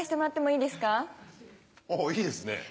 あっいいですね。